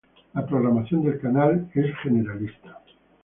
La programación del canal es generalista.